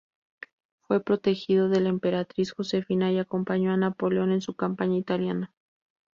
Fue protegido de la emperatriz Josefina y acompañó a Napoleón en su campaña italiana.